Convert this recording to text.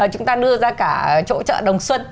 chúng ta đưa ra cả chỗ chợ đồng xuân